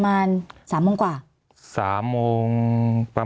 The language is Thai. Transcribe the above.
มีความรู้สึกว่ามีความรู้สึกว่า